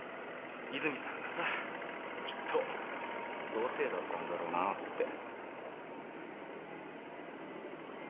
和泉さんがさきっと優等生だったんだろうなって